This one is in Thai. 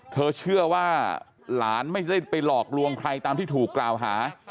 เธอเชื่อว่าหลานไม่ได้ไปหลอกลวงใครตามที่ถูกกล่าวหา